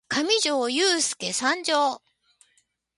かみじょーゆーすーけ参上！